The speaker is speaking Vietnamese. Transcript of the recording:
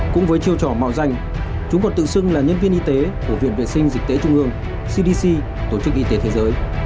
cũng với chiêu trò mạo danh chúng còn tự xưng là nhân viên y tế của viện vệ sinh dịch tế trung ương cdc tổ chức y tế thế giới